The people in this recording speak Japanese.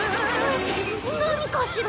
何かしら？